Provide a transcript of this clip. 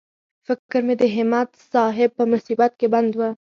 فکر مې د همت صاحب په مصیبت کې بند و.